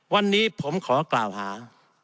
วันนี้ผมขอกล่าวหา